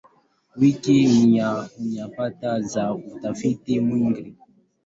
Wiki ni nyanja za utafiti mwingi.